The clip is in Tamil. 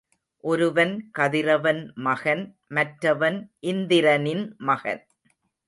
ஒருவன் கதிரவன் மகன் மற்றவன் இந்திரனின் மகன்.